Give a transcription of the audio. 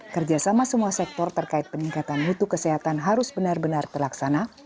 kerjasama semua sektor terkait peningkatan mutu kesehatan harus benar benar terlaksana